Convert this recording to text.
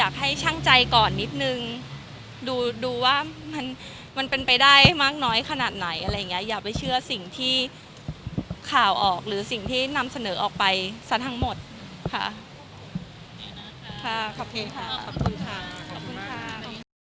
ได้มากน้อยขนาดไหนอะไรอย่างเงี้ยอยากไปเชื่อสิ่งที่ข่าวออกหรือสิ่งที่นำเสนอออกไปซะทั้งหมดค่ะค่ะขอบคุณค่ะขอบคุณค่ะขอบคุณค่ะ